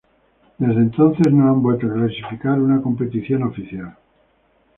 Desde entonces no han vuelto a clasificar a una competición oficial.